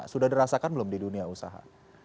sudah dirasakan belum di dunia usaha